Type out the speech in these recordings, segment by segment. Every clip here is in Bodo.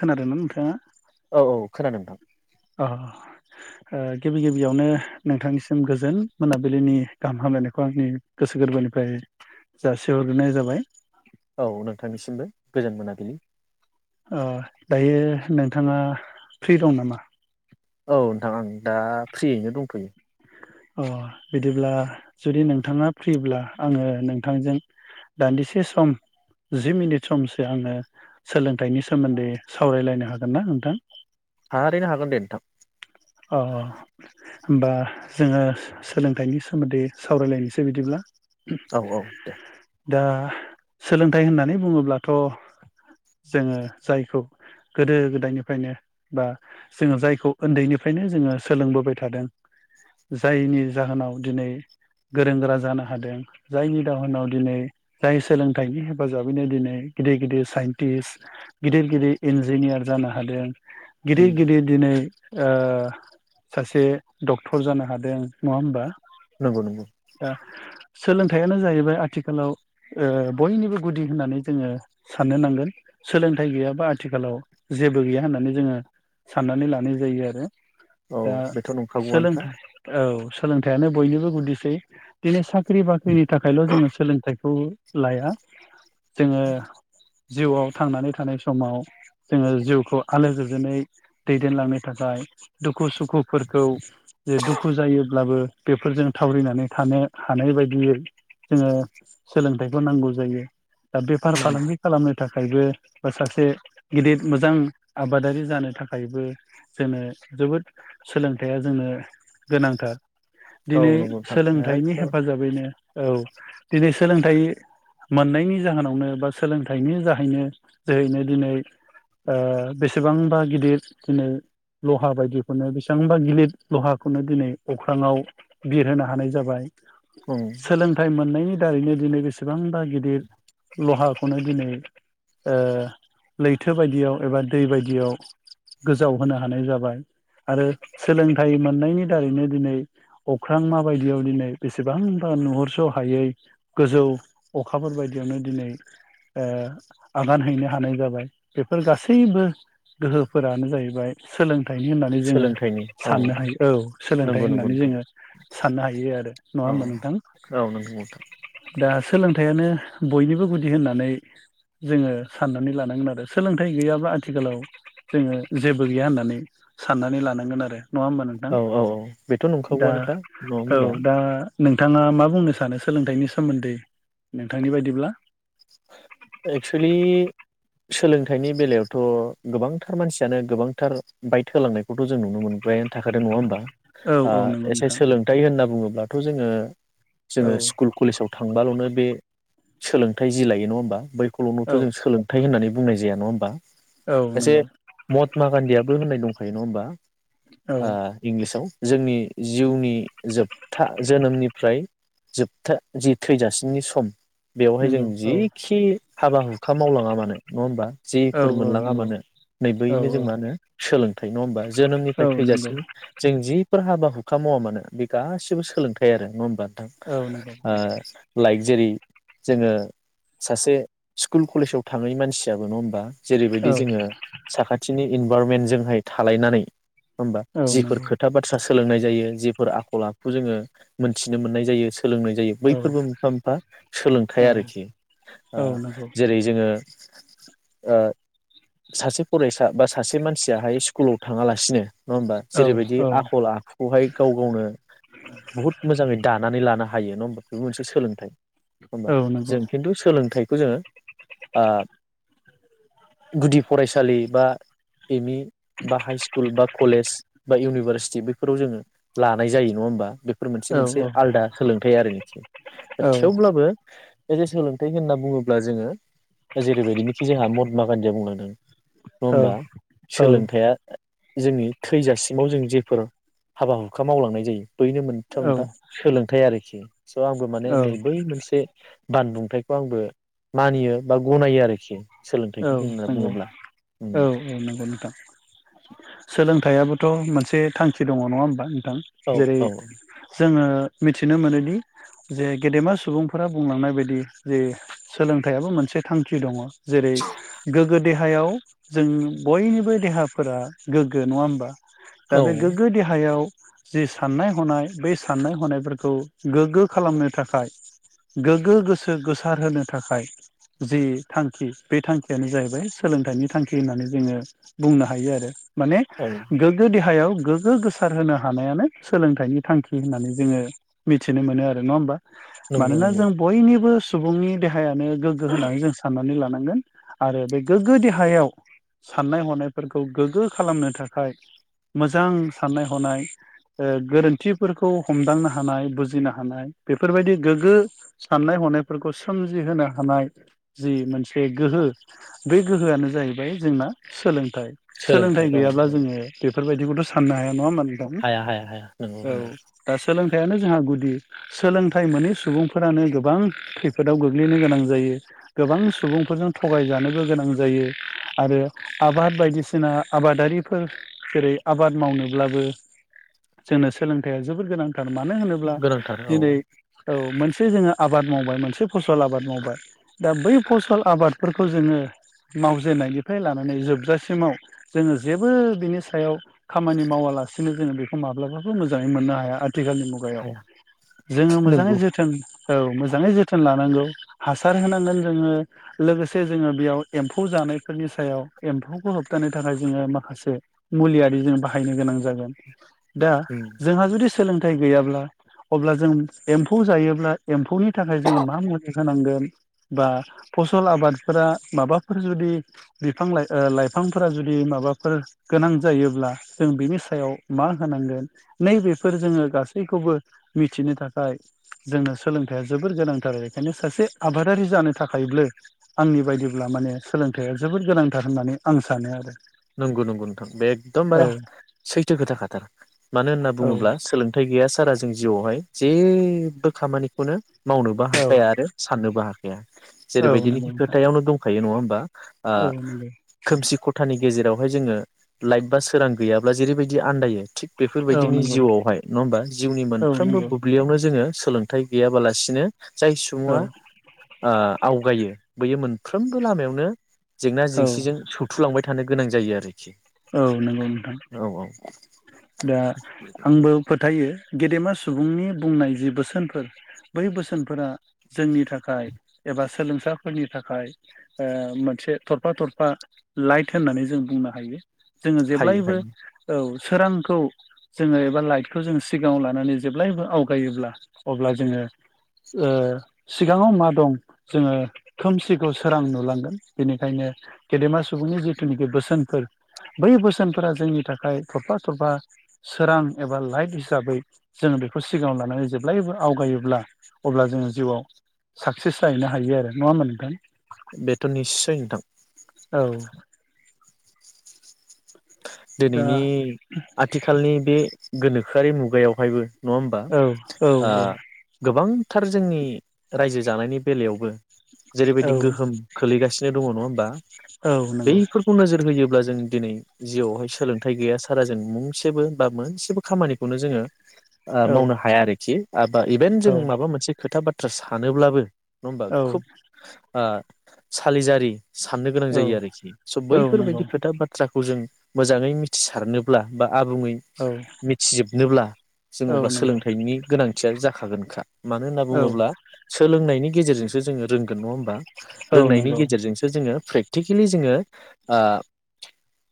खोनादों ना नोंथाङा औ औ खोनादों नोंथां अ ओ गिबि गिबियावनो नोंथांनिसिम गोजोन मोनाबिलिनि गाहाम हामलायनायखौ आंनि गोसो गोरबोनिफ्राय जासिहरग्रोनाय जाबाय औ नोंथांनिसिमबो गोजोन मोनाबिलि ओ दायो नोंथाङा फ्रि दं नामा औ नोंथां आं दा फ्रियैनो दंथ'यो अ बिदिब्ला जुदि नोंथाङा फ्रिब्ला आङो नोंथांजों दान्दिसे सम जि मिनिट समसो आङो सोलोंथाइनि सोमोन्दै सावरायलायनो हागोन ना नोंथां थारैनो हागोन दे नोंथां अ बा जोङो सोलोंथाइनि सोमोन्दै सावरायलायनोसै बिदिब्ला औ औ दे दा सोलोंथाइ होननानै बुङोब्लाथ' जोङो जायखौ गोदो गोदायनिफ्रायनो बा जोङो जायखौ उन्दैनिफ्राय फ्रायनो जोङो सोलोंबोबाय थादों जायनि जाहोनाव दिनै गोरों गोरा जानो हादों जायनि जाहोनाव दिनै जाय सोलोंथाइनि हेफाजाबैनो दिनै गिदिर गिदिर साइन्टिस्ट गिदिर गिदिर इन्जिनियार जानो हादों उम गिदिर गिदिर दिनै ओ सासे डक्टर जानो हादों नङा होमबा नंगौ नंगौ दा सोलोंथाइयानो जाहैबाय आथिखालाव ओ बयनिबो गुदि होननानै जोङो साननो नांगोन सोलोंथाइ गैयाबा आथिखालाव जेबो गैया होननानै जोङो साननानै लानाय जायो आरो दा औ बेथ' नंखागौआनोखा सोलोंथाइ औ सोलोंथायानो बयनिबो गुदिसै दिनै सा ख्रि बाख्रिनि थाखायल जोङो सोलोंथाइखौ लाया जोङो जिउआव थांनानै थानाय समाव जोङो जिउखौ आलो गोजोनै दैदेनलांनो थाखाय दुखु सुखुफोरखौ जे दुखु जायोब्लाबो बेफोरजों थावरिनानै थानो हानाय बायदियै जोङो सोलोंथाइखौ नांगौ जायो दा बेफार नंगौ फालांगि खालामनो थाखायबो बा सासे गिदिर मोजां आबादारि जानो थाखायबो जोङो जोबोद सोलोंथाइया जोंनो गोनांथार औ दिनै नंगौ नोंथां सोलोंथाइनि एकदम हेफाजाबैनो औ दिनै सोलोंथाइ मोननायनि जाहोनावनो बा सोलोंथाइनि जाहैनो जोहैनो दिनै ओ बेसेबांबा गिदिर दिनै लहा बायदिखौनो बेसेबांबा गिलिर लहाखौनो दिनै अख्राङाव बिरहोनो हानाय जाबाय ओम सोलोंथाइ मोननायनि दारैनो दिनै बेसेबांबा गिदिर लहाखौनो ओ दिनै लैथो बायदियाव एबा दै बायदियाव गोजाव होनो हानाय जाबाय आरो सोलोंथाइ मोननायनि दारैनो दिनै अख्रांमा बायदियाव दिनै बेसेबांबा नुहुरस हायै गोजौ अखाफोर बायदियावनो दिनै आगान हैनो हानाय जाबाय बेफोर गासैबो गोहोफोरानो जाहैबाय सोलों थाइनि होननानै जोङो सोलोंथाइनि औ साननो हायो औ सोलोंथाइ नंगौ नंगौ होननानै नोंथां जोङो साननो हायो आरो नङा औ होमबा नोंथां औ नंगौ नोंथां दा सोलोंथायानो बयनिबो गुदि होननानै जोङो साननानै लानांगोन आरो सोलोंथाइ गैयाब्ला आथिखालाव जोङो जेबो बो गैया होननानै साननानै लानांगोन आरो नङा होमबा नोंथां औ औ औ बेथ दा नंखागौ आनोखा नङा औ मोनदा दा नोंथाङा मा बुंनो सानो सोलोंथाइनि सोमोन्दै नोंथांनि बायदिब्ला एक्सलि सोलोंथाइनि बेलायावथ गोबांथार मानसियानो गोबांथार बाइट होलांनायखौथ जों नुनो मोनबायानो थाखादों नङा होमबा औ ओ औ नंगौ एसे नोंथां सोलोंथाइ होनना बुङो अब्लाथ जोङो औ जोङो स्कुल कलेजाव थांब्लालनो बे सोलोंथाइ जि लायो नङा ओमबा बै खौलथ औ जों सोलोंथाइ होननानै बुंनाय जाया नङा औ एसे नंगौ मत मा गान्दियाबो होनाय दंखायो नङा होमबा ओ औ इंलिसाव जोंनि जिउनि जोबथा जोनोमनिफ्राय जोबथा जि थैजासिमनि सम बेवहाय जों नंगौ औ जिखि हाबा हुखा मावलाङा मानो नङा होमबा औ जिफोर औ मोनलाङा नंगौ मानो औ नैबोयनो जों औ मा होनो सोलोंथाइ नङा होमबा औ जोनोमनिफ्राय नंगौ थैजासिम जों जि फोर हाबा हुखा मावा मानो बे गासिबो सोलोंथायाइ आरो नङा होमबा थां औ नंगौ ओ लाइ जेरै जोङो सासे स्कुल कलेजाव थाङै मानसियाबो नङा होमबा औ जेरैबायदि जोङो साखाथिनि इन भारनमेन्टजोंहाय थालायनानै होमबा औ जिफोर नंगौ खोथा बाथ्रा स सोलोंनाय जायो जिफोर आखल आखु जोङो मोनथिनो मोननाय जायो सोलोंनाय जायो औ बैफोरबो मोनफा मोनफा औ नंगौ औ सोलोंथायाइ आरोखि ओ औ नंगौ जेरै जोङो ओ ओ सासे फराय या बा सासे मानसियाहाय स्कुलाव थाङालासिनो नङा होमबा औ जेरैबायदि औ आखल आखुखौहाय गाव गावनो बुहुद मोजाङै दानानै लानो हायो नङा होमबा बेबो मोनसे सोलोंथाइ होनबा औ नंगौ जों सोलोंथाइखौ जोङो आ गुदि फरायसालि बा एम इ बा हाइ स्कुल बा कलेज बा इउनिभारसिटि बेफोराव जोङो लानाय जायो नङा होमबा बे फोर मोनसे मोनसे आलदा सोलोंथाइ आरोनोखि दा थेवब्लाबो बे जे सोलोंथाइ होनना बुङोब्ला जोङो जेरैबायदिनोखि जोंहा महात्मा गान्धीया बुंलांदों नङा होमबा सोलोंथाया जोंनि थैजासिमाव जों जेफोर हाबा हुखा मावलांनाय जायो बैनो मोनफा मोनफा सोलोंथाइ आरो खि स' आंबो माने नै बै मोनसे बानबुंथाइखौ आंबो मानियो बा गनायो आरोखि औ सोलोंथाइखौ होनना नंगौ बुङोब्ला औ औ नंगौ नोंथां सोलोंथाइयाबो थ' मोनसे थांखि दङ नङा होमबा नों थां औ जेरै औ जोङो मिथिनो मोनोदि जे गेदेमा सुबुंफोरा बुंलांनाय बायदि जे सोलोंथाइयाबो मोनसे थांखि दङ जेरै गोगो देहायाव जों बयनिबो देहाफोरा गोग्गो नङा होमबा दा औ बे गोग्गो देहायाव जि साननाय हनाय बे साननाय हनायफोरखौ गोग्गो खालामनो थाखाय गोग्गो गोसो गोसारहो थाखाय जि थांखि बे थांखियानो जाहैबाय सोलोंथाइनि थांखि होननानै जोङो बुंनो हायो आरो माने औ गोग्गो देहायाव गोग्गो गोसार होनो हानायानो सोलोंथाइनि थांखि होननानै जोङो मिथिनो मोनो आरो नङा होमबा नंगौ मानोना नंगौ जों बयनिबो सुबुंनि देहायानो गोग्गो होनानै जों साननानै ला नांगोन आरो बे गोग्गो देहायाव साननाय हनायफोरखौ गोग्गो खालामनो थाखाय मोजां साननाय हनाय ओ गोरोन्थिफोरखौ हमदांनो हानाय बुजिनो हानाय बेफोरबायदि गोग्गो साननाय हनायफोरखौ सोमजिहोनो हानाय जि मोनसे गोहो बे गोहोआनो जाहैबाय जोंना सोलों सोलोंथाइ गैयाब्ला जोङो बे बेफोरबायदिखौथ' सान हाया नङा होनबा हाया हाया हाया नंगौ औ नंगौ दा सोलोंथाइआनो जोंहा गुदि सोलोंथाइ मोनै सुबुंफोरानो गोबां खैफोदाव गोग्लैनो गोनां जायो गोबां सुबुंफोरजों थगायजानोबो गोनां जायो आरो आबाद बायदिसिना आबादारिफोर जेरै आबाद मावनोब्लाबो जोंनो सोलोंथाइया जोबोद गोनां। मानो होनोब्ला गोनांथार औ दिनै औ मोन से जोङो आबाद मावबाय मोनसे फसल आबाद मावबाय दा बै फसल आबाद फोरखौ जोङो मावजेननायनिफ्राय लानानै जोबजासिमाव जोङो जेबो बिनि सायाव खामानि मावालासिनो जोङो बेखौ माब्लाबाबो मोजाङै मोननो हाया आरो आथिखालनि मुगायाव हाया जोङो मोजाङै नंगौ जोथोन औ मोजाङै जोथोन लानांगौ हासार होनांगोन जोङो। लोगोसे जोङो बेयाव एम्फौ जानायफोरनि सायाव एम्फौखौ होबथानो थाखाय जोङो माखासे मुलियारि जों बाहायनो गोनां जागोन। दा उम जोंहा जुदि सोलोंथाइ गैयाब्ला अब्ला जों एम्फौ जायोब्ला एम्फौनि थाखाय जोङो मा मुलि होनांगोन बा फसल आबादफोरा माबाफोर जुदि बिफां ओ लाइफांफोरा जुदि माबाफोर गोनां जायोब्ला जों बिनि सायाव मा होनांगोन नैबेफोर जोङो गासैखौबो मिथिनो थाखाय जोंनो सोलोंथाइया जोबोर गोनांथार बेखायनो सासे आबादारि जानो थाखायब्ला। आंनि बायदिब्ला माने सोलोंथाइया जोबोद गोनांथार होननानै आं सानो आरो नंगौ नंगौ नोंथां बे एकदमबारे औ सैथो खोथाखाथार मानो होनना बुङोब्ला औ सोलोंथाइ गैया। सारा जों जिउआवहाय जेबो खामानिखौनो मावनोबो हाखाया औ आरो साननोबो हाखाया। गाया औ नंगौ जेरैबायदिनोखि नोंथां खोथायावनो दंखायो नङा होमबा ओ औ नंगौ खोमसि खथानि गेजेरावहाय जोङो लाइट बा सोरां गैयाब्ला जेरैबायदि आनन्दायो थिग औ बेफोरबायदिनि नंगौ जिउआवहाय नङा होमबा जिउनि औ मोनफ्रोमबो नंगौ बुब्लियावनो जोङो। सोलोंथाइ गैयाबालासिनो जाय औ सुबुङा आवगायो। बैयो मोनफ्रोमबो लामायावनो जेंना औ जेंसिजों सौथुलांबाय थायो। गोनां जायो आरोखि। औ नंगौ नोंथां औ औ दा आंबो फोथायो गेदेमा सुबुंनि बुंनाय जि बोसोनफोर बै बोसोनफोरा जोंनि थाखाय एबा सोलोंसाफोरनि थाखाय ओ मोनसे थरफा थरफा लाइट होननानै जों बुंनो हायो। जोङो हायो जेब्लायबो हायो औ। सोरांखौ जोङो एबा लाइटखौ जों सिगाङाव लानानै जेब्लायबो आवगायोब्ला अब्ला जोङो ओ सिगाङाव मा दं जोङो खोमसिखौ सोरां नुलांगोन बेनिखायनो गेदेमा सुबुंनि जिथुनाखि बोसोनफोर बै बोसोनफोरा जोंनि थाखाय थरफा थरफा सोरां एबा लाइफ हिसाबै जोङो बेखौ सिगाङाव लानानै जेब्लायबो आवगायोब्ला अब्ला जोङो जिउआव साक्सेस जाहैनो हायो आरो नङा मोनगोन। बेथ' निस्सय नोंथां। औ। दा दिनैनि आथिखालनि बे गोनोखोआरि मुगायावहायबो नङा होमबा औ औ ओ गोबां थार जोंनि रायजो जानायनि बेलायावबो औ जेरैबायदि गोहोम खोलैगासिनो दङ नङा होमबा औ नंगौ बैफोरखौ नोजोर होयोब्ला जों जों दिनै जिउआवहाय सोलोंथाइ गैया सारा जों मुंसेबो बा मोनसेबो खामानिखौनो जोङो। औ मावनो हाया आरोखि इभेन जों औ माबा मोनसे खोथा बा बाथ्रा सानोब्लाबो नङा होमबा औ खोब ओ सालिजारि साननो गोनां जायो आरोखि स' औ नंगौ बैफोरबायदि खोथा बाथ्राखौ जों मोजाङै मिथिसारनोब्ला बा आबुङै औ मिथिजोबनोब्ला जोङो औ अब्ला नंगौ सोलोंथाइनि गोनांथिया जाखागोनखा मानो होनना औ बुङोब्ला सोलोंनायनि गेजेरजोंसो जोङो रोंगोन नङा होनोमबा? औ रोंनायनि नंगौ गेजेरजोंसो जोङो प्रेक प्रेक्टिकेलि जोङो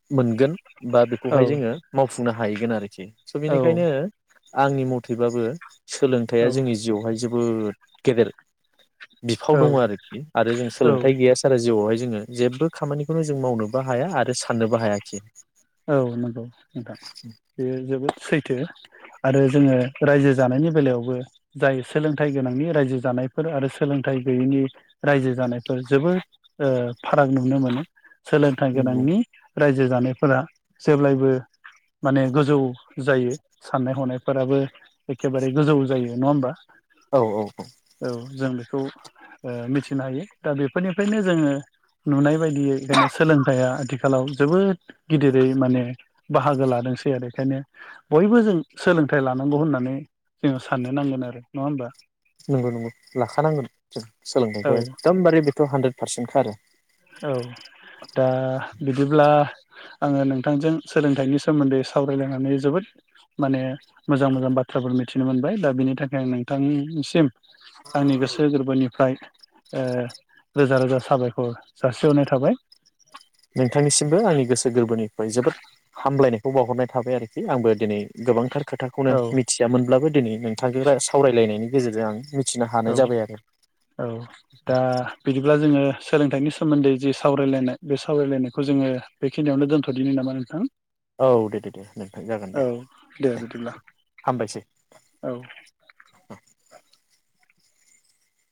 ओ मोनगोन बा औ बेखौहाय जोङो मावफुंनो हायो। हाहैगोन आरोखि। स' बिनिखायनो औ आंनि मथेबाबो सोलोंथाइया औ जोंनि जिउआवहाय जोब बोद गेदेर बिफाव औ दङ आरोखि आरो जों औ सोलोंथाइ गैया सारा जिउआवहाय जोङो जेबो खामानिखौनो जों मावनोबो हाया आरो साननोबो हाया। [unintelligible] औ नंगौ नोंथां बेयो जोबोद सैथो। आरो जोङो रायजो जानायनि बेलायावबो जाय सोलोंथाइ गोनांनि रायजो जानायफोर आरो सोलोंथाइ गैयैनि रायजो जानायफोर जोबोद फाराग नुनो मोनो। सोलोंथाइ नंगौ। गोनांनि रायजो जो जानायफोरा जेब्लायबो माने गोजौ जायो साननाय हनायफोराबो एखेबारे गोजौ जायो नङा होमबा। औ औ औ। औ जों बेखौ ओ मिथिनो हायो दा बेफोरनिफ्रायनो जोङो नुनाय बायदियै बेखायनो सोलोंथाइया आथिखालाव जोबोद गिदिर। बै माने बाहागो लादोंसै आरो बेखायनो बयबो जों सोलोंथाइ लानांगौ होननानै जोङो साननो नांगोन आरो नङा होमबा। नंगौ नंगौ लाखानांगोन जों औ सोलोंथाइखौ एकदमबारे थ' हानद्रेद पार्सेन्ट खारो औ दा बिदिब्ला आङो नोंथांजों सोलोंथाइनि सोमोन्दै सावरायलायनानै जोबोद माने मोजां मोजां बाथ्राफोर मिथिनो मोनबाय दा बिनि थाखाय आं नोंथांसिम आंनि गोसो गोरबोनिफ्राय रोजा रोजा साबायखर जाासिहनाय थाबाय नोंथांनिसिमबो आंनि गोसो गोरबोनिफ्राय जोबोद हामलायनायखौ बावहरनाय थाबाय आरोखि आंबो दिनै गोबांथार खोथाखौनो औ मिथियामोनब्लाबो दिनै नों बिथांजों सावरायलायनायनि गेजेरजों आं मिथि औ औ दा बिदिब्ला जोङो सोलोंथाइनि सोमोन्दै जि सावरायलायनाय बे सावरायलायनायखौ जोङो बेखिनियावनो दोन्थ'दिनो नामा नोंथां औ दे दे दे नोंथां जागोन दे औ दे हामबायसै औ